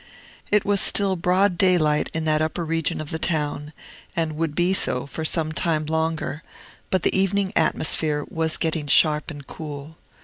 It was still broad daylight in that upper region of the town, and would be so for some time longer; but the evening atmosphere was getting sharp and cool.